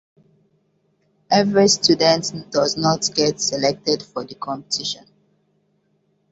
Every students does not get selected for the competition.